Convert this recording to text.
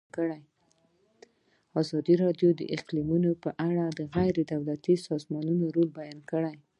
ازادي راډیو د اقلیتونه په اړه د غیر دولتي سازمانونو رول بیان کړی.